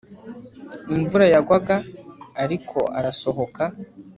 Imvura yagwaga ariko arasohoka